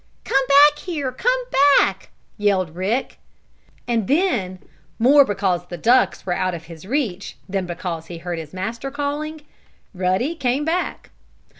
"Come back here! Come back!" yelled Rick. And then, more because the ducks were out of his reach than because he heard his master calling, Ruddy came back.